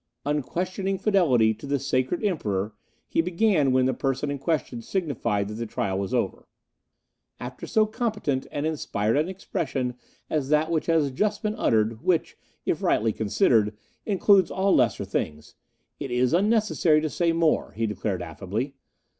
'Unquestioning Fidelity to the Sacred Emperor ' he began, when the person in question signified that the trial was over. "'After so competent and inspired an expression as that which has just been uttered, which, if rightly considered, includes all lesser things, it is unnecessary to say more,' he declared affably.